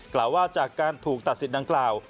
กล่าวว่าจากการถูกตัดสิทธิดังกล่าว